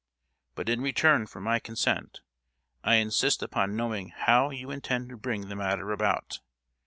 But in return for my consent I insist upon knowing how you intend to bring the matter about?